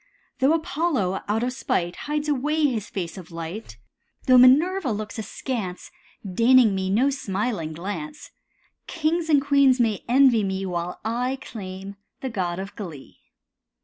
Though Apollo, out of spite, Hides away his face of light, Though Minerva looks askance, Deigning me no smiling glance, Kings and queens may envy me While I claim the god of glee.